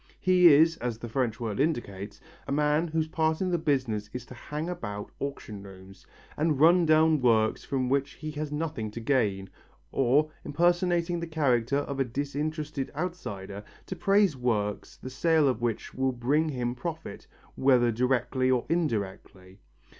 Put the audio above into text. He is, as the French word indicates, a man whose part in the business is to hang about auction rooms, and run down works from which he has nothing to gain, or, impersonating the character of a disinterested outsider, to praise works the sale of which will bring him profit, whether directly or indirectly.